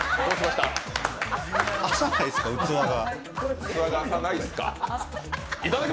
浅ないすか、器が。